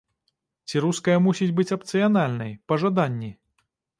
Ці руская мусіць быць апцыянальнай, па жаданні?